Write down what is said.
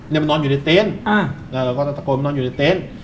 นี่มันนอนอยู่ในเตนแล้วก็ตะโกนมันนอนอยู่ในเตน